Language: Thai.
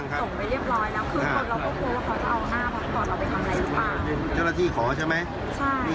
แต่ว่าเราก็ไม่ไม่ได้